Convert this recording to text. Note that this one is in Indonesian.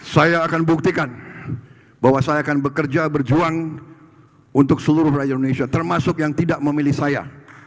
saya akan buktikan bahwa saya akan bekerja berjuang untuk seluruh rakyat indonesia termasuk yang tidak memilih saya